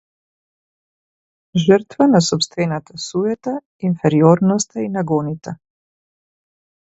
Жртва на сопствената суета, инфериорноста и нагоните.